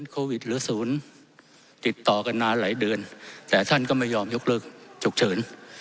โควิดหรือศูนย์ติดต่อกันนานหลายเดือนแต่ท่านก็ไม่ยอมยกเลิกฉุกเฉิน